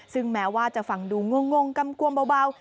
ซึ่งแม้ว่าจะฟังดูงงกำกวมเบา